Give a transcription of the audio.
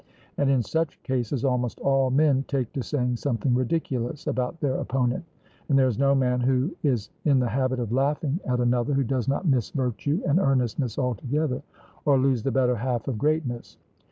And in such cases almost all men take to saying something ridiculous about their opponent, and there is no man who is in the habit of laughing at another who does not miss virtue and earnestness altogether, or lose the better half of greatness.